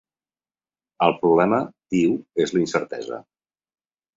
El problema, diu, és la incertesa.